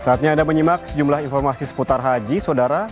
saatnya anda menyimak sejumlah informasi seputar haji saudara